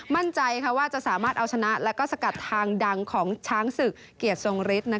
มั่นใจว่าจะสามารถเอาชนะและก็สกัดทางดังของช้างศึกเกียรติทรงฤทธิ์